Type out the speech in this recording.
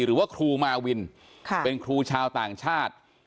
หรือว่าครูมาวินเป็นครูชาวต่างชาติ